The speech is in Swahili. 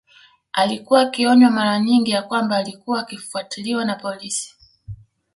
Alikuwa akionywa maranyingi ya kwamba alikuwa akifuatiliwa na polisi